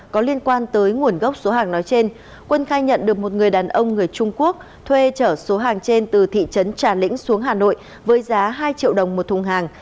có liên quan tới nguồn gốc số hàng nói trên quân khai nhận được một người đàn ông người trung quốc thuê trở số hàng trên từ thị trấn trà lĩnh xuống hà nội với giá hai triệu đồng một thùng hàng